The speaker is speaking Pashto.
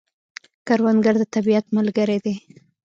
کروندګر د طبیعت ملګری دی